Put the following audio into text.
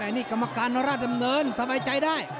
นี่กรรมการราชดำเนินสบายใจได้